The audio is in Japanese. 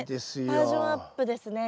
バージョンアップですね